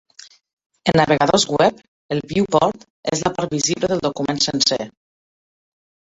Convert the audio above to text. En navegadors web, el "viewport" és la part visible del document sencer.